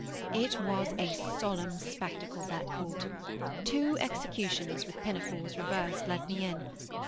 It was a solemn spectacle, that court. Two executioners with pinafores reversed led me in.